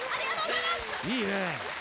いいね！